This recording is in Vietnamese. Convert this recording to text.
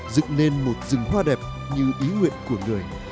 dựng nên một rừng hoa đẹp như ý nguyện của người